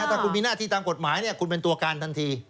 ถ้าคุณมีหน้าที่ตามกฎหมายคุณเป็นตัวการทันที